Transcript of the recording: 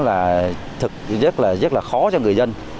rất là khó cho người dân